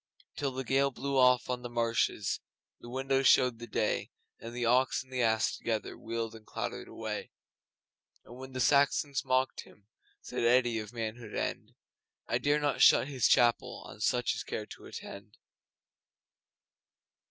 Till the gale blew off on the marshes And the windows showed the day, And the Ox and the Ass together Wheeled and clattered away. And when the Saxons mocked him, Said Eddi of Manhood End, 'I dare not shut His chapel On such as care to attend.